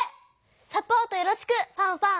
サポートよろしくファンファン！